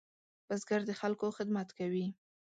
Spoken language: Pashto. بزګر د خلکو خدمت کوي